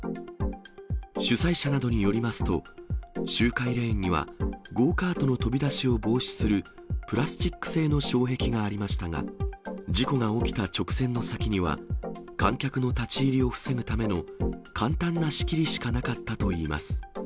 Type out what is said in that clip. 主催者などによりますと、周回レーンにはゴーカートの飛び出しを防止するプラスチック製の障壁がありましたが、事故が起きた直線の先には、観客の立ち入りを防ぐための簡単な仕切りしかなかったといいます。